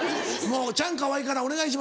チャンカワイからお願いします。